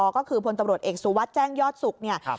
ก็คือผลตำรวจเอกสู่วัดแจ้งยอดศุกร์